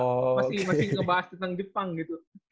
masih ngebahas tentang jepang gitu